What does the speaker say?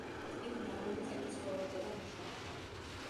იქ მრავალი წელი ცხოვრობდა და მუშაობდა.